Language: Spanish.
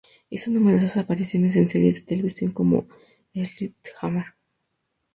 Hizo numerosas apariciones en series de televisión como "Sledge Hammer!